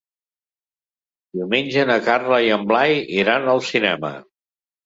Diumenge na Carla i en Blai iran al cinema.